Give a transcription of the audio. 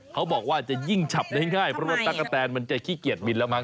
เขาบอกว่าจะยิ่งฉับได้ง่ายเพราะว่าตั๊กกะแตนมันจะขี้เกียจมินแล้วมั้